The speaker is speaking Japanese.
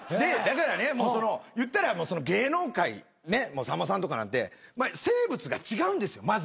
だからねいったら芸能界さんまさんとかなんて生物が違うんですよ